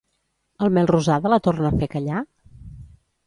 El Melrosada la torna a fer callar?